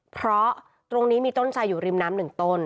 เพราะตรงนี้มีต้นทรายอยู่ริมน้ำหนึ่งต้น